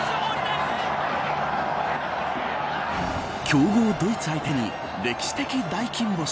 強豪ドイツ相手に歴史的大金星。